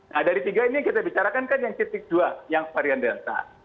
nah dari tiga ini yang kita bicarakan kan yang titik dua yang varian delta